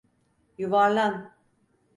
Yuvarlan!